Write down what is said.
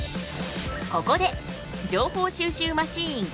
ここで情報収集マシーン